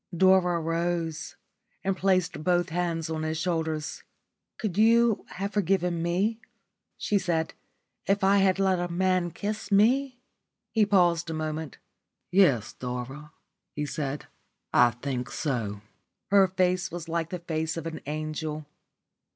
Dora rose, and placed both hands on his shoulders. "Could you have forgiven me," she said, "if I had let a man kiss me?" He paused a moment. "Yes, Dora," he said, "I think so." Her face was like the face of an angel.